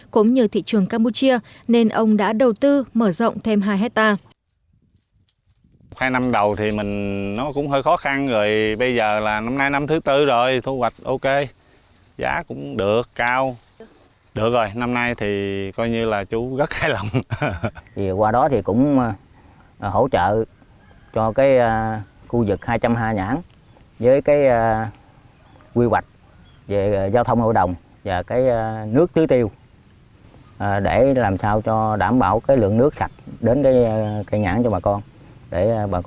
cũng như thị trường campuchia nên ông đã đầu tư mở rộng thêm hai hectare